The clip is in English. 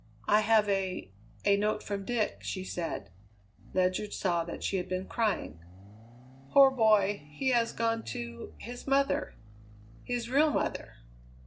"I have a a note from Dick," she said. Ledyard saw that she had been crying. "Poor boy! He has gone to his mother; his real mother.